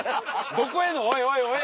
どこへの「おいおいおい！」